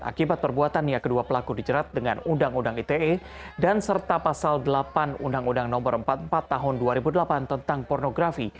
akibat perbuatannya kedua pelaku dijerat dengan undang undang ite dan serta pasal delapan undang undang no empat puluh empat tahun dua ribu delapan tentang pornografi